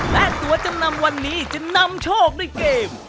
และตัวจำนำวันนี้จะนำโชคด้วยเกม